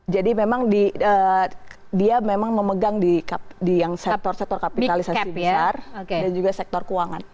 jadi memang dia memang memegang di yang sektor sektor kapitalisasi besar dan juga sektor keuangan